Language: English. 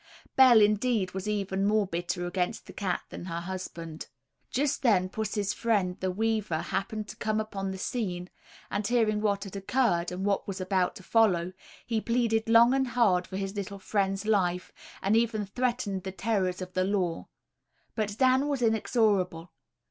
Bell indeed was even more bitter against the cat than her husband. Just then pussy's friend the weaver happened to come upon the scene, and hearing what had occurred, and what was about to follow, he pleaded long and hard for his little friend's life, and even threatened the terrors of the law; but Dan was inexorable.